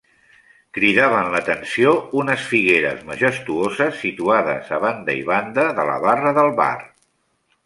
Cridaven l'atenció unes figueres majestuoses situades a banda i banda de la barra del bar.